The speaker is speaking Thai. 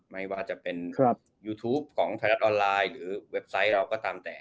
ไม่ว่าจะเป็นยูทูปของไทยรัฐออนไลน์หรือเว็บไซต์เราก็ตามแต่